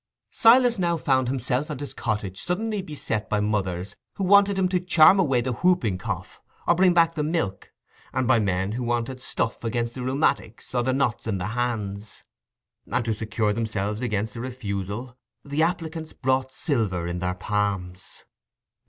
Silas now found himself and his cottage suddenly beset by mothers who wanted him to charm away the whooping cough, or bring back the milk, and by men who wanted stuff against the rheumatics or the knots in the hands; and, to secure themselves against a refusal, the applicants brought silver in their palms.